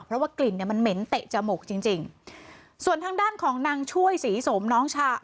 เพราะว่ากลิ่นเนี่ยมันเหม็นเตะจมูกจริงจริงส่วนทางด้านของนางช่วยศรีสมน้องชาย